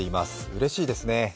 うれしいですね。